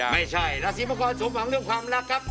ไม่ใช่ราศีมังกรสมหวังเรื่องความรักครับ